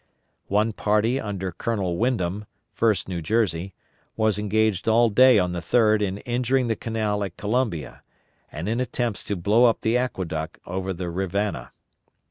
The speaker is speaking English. One party under Colonel Wyndham, 1st New Jersey, was engaged all day on the 3d in injuring the canal at Columbia, and in attempts to blow up the aqueduct over the Rivanna.